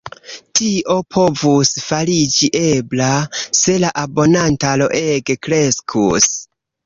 Tio povus fariĝi ebla, se la abonantaro ege kreskus.